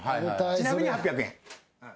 ちなみに８００円。